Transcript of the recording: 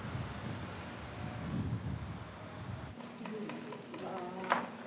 こんにちは。